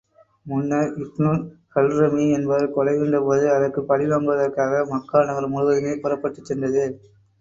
முன்னர், Ibnul Hadrami என்பவர் கொலையுண்ட போது அதற்குப் பழி வாங்குவதற்காக மக்கா நகரம் முழுவதுமே புறப்பட்டுச் சென்றது.